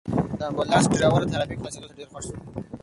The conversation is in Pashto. د امبولانس ډرېور د ترافیکو خلاصېدو ته ډېر خوښ شو.